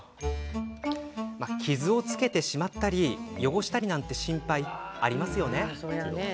傷をつけてしまったり汚したりなんて心配ありますよね。